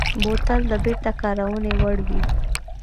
بوتل د بېرته کارونې وړ وي.